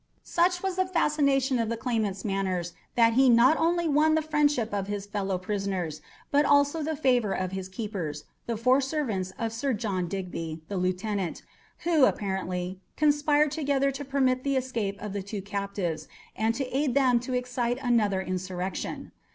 Such was the fascination of the claimant's manners that he not only won the friendship of his fellow prisoners, but also the favour of his keepers, the four servants of Sir John Digby, the Lieutenant, who, apparently, conspired together to permit the escape of the two captives, and to aid them to excite another insurrection.